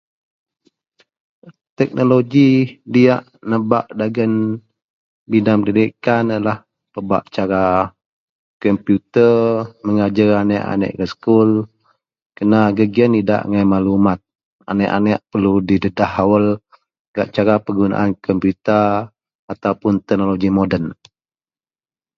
teknologi diyak nebak dagen bidang Pendidikan ienlah pebak cara komputer megajer aneak-aneak gak sekul, kerna gak gien idak angai maklumat, aneak-aneak perlu didedah awal gak cara penggunaan komputer ataupun teknologi moden